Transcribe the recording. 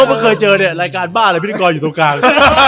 เทมกูก็เคยเจอเนี่ยรายการบ้าไรพี่ตะอยู่ตรงกลาง